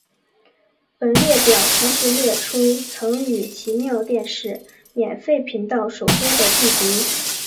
本列表同时列出曾于奇妙电视免费频道首播的剧集。